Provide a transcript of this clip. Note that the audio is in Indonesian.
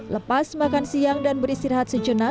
lepas makan siang dan beristirahat sejenak